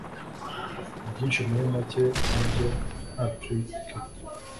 Byinshi muri make nabyo na trinket